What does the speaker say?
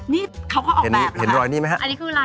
นี่เขาก็ออกแบบละค่ะอันนี้คืออะไรอ่ะ